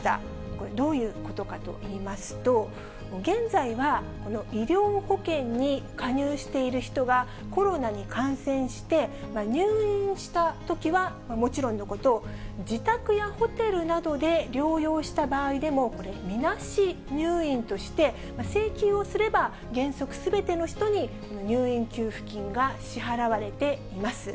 これ、どういうことかといいますと、現在はこの医療保険に加入している人がコロナに感染して、入院したときはもちろんのこと、自宅やホテルなどで療養した場合でもこれ、みなし入院として、請求をすれば、原則すべての人に入院給付金が支払われています。